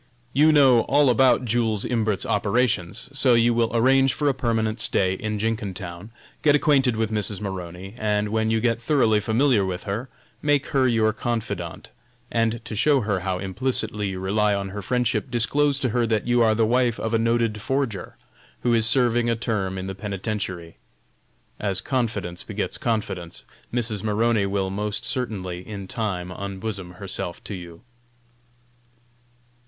You know all about Jules Imbert's operations, so you will arrange for a permanent stay in Jenkintown, get acquainted with Mrs. Maroney, and when you get thoroughly familiar with her, make her your confidante, and to show her how implicitly you rely on her friendship, disclose to her that you are the wife of a noted forger, who is serving a term in the penitentiary. As confidence begets confidence, Mrs. Maroney will, most certainly, in time unbosom herself to you."